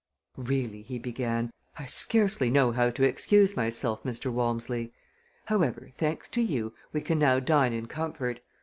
"Really," he began, "I scarcely know how to excuse myself, Mr. Walmsley. However, thanks to you, we can now dine in comfort.